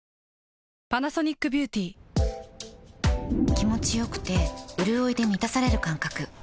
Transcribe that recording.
気持ちよくてうるおいで満たされる感覚